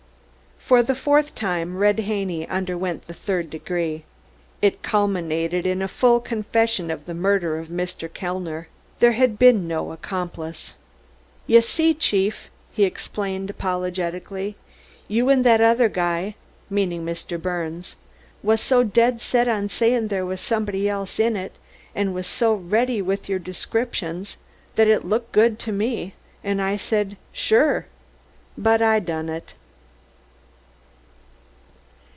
For the fourth time Red Haney underwent the "third degree." It culminated in a full confession of the murder of Mr. Kellner. There had been no accomplice. "Yer see, Chief," he explained apologetically, "you an' that other guy" (meaning Mr. Birnes) "was so dead set on sayin' there was somebody else in it, an' was so ready wit' yer descriptions, that it looked good to me, an' I said 'Sure,' but I done it."